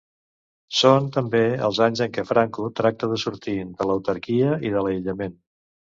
Són, també, els anys en què Franco tracta de sortir de l'autarquia i de l'aïllament.